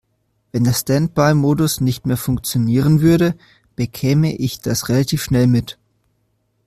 Wenn der Standby-Modus nicht mehr funktionieren würde, bekäme ich das relativ schnell mit.